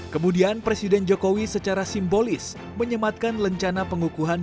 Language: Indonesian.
kemudian presiden jokowi secara simbolis menyematkan lencana pengukuhan